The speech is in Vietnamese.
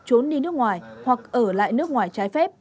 trốn đi nước ngoài hoặc ở lại nước ngoài trái phép